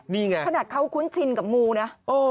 นี่ไงขนาดเขาคุ้นชินกับงูนะ